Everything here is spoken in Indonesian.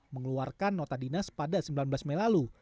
mengeluarkan nota dinas pada sembilan belas mei lalu